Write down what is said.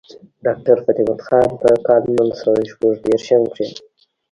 ډاکټر فتح مند خان پۀ کال نولس سوه شپږ دېرشم کښې